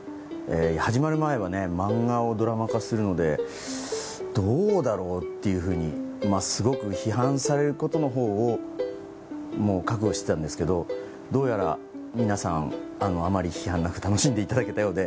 始まる前は漫画をドラマ化するのでどうだろうっていうふうにすごく批判されることのほうをもう覚悟してたんですけどどうやら皆さんあまり批判なく楽しんでいただけたようで。